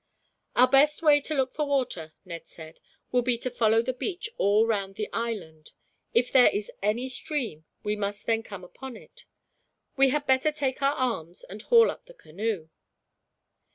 "Our best way to look for water," Ned said, "will be to follow the beach all round the island. If there is any stream, we must then come upon it. We had better take our arms, and haul up the canoe."